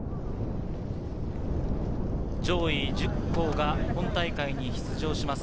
上位１０校が本大会に出場します。